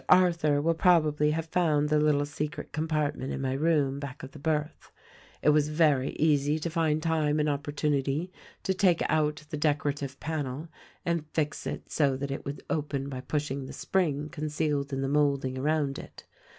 Arthur will probably have found the little secret compartment in my room, back of the berth. It was very 256 THE RECORDING ANGEL easy to find time and opportunity to take out the decorative panel and fix it so that it would open by pushing the spring concealed in the moulding around it.